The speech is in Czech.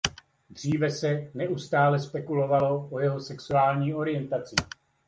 Dříve se neustále spekulovalo o jeho sexuální orientaci.